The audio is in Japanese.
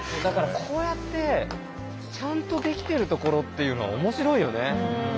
だからこうやってちゃんとできてるところっていうのは面白いよね。